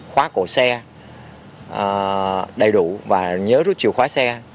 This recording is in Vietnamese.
khóa cổ xe đầy đủ và nhớ rút chìa khóa xe